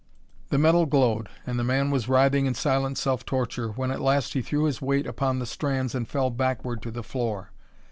The metal glowed, and the man was writhing in silent self torture when at last he threw his weight upon the strands and fell backward to the floor.